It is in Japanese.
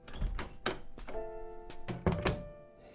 え？